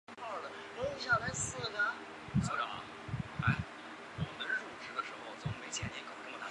父亲为雾社事件日军大屠杀受害者。